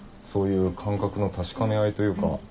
そういう感覚の確かめ合いというか。